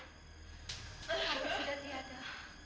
nanti sederhana dia ada